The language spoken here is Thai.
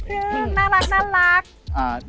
พอมันจะเป็นสาวลูกชึ้งน่ารัก